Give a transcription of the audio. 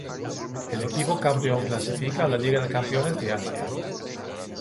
El equipo campeón clasifica a la Liga de Campeones de Asia.